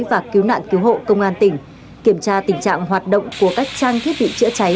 và cứu nạn cứu hộ công an tỉnh kiểm tra tình trạng hoạt động của các trang thiết bị chữa cháy